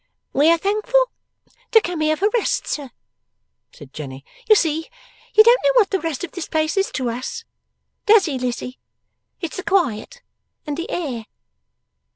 'We are thankful to come here for rest, sir,' said Jenny. 'You see, you don't know what the rest of this place is to us; does he, Lizzie? It's the quiet, and the air.